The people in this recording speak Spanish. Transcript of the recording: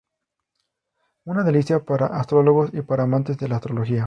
Una delicia para astrólogos y para amantes de la Astrología".